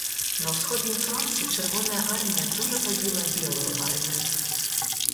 На ўсходнім фронце чырвоная армія дужа пабіла белую армію.